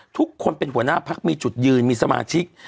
ทุกคนเป็นหัวหน้าพักมีจุดยืนมีสมาชิก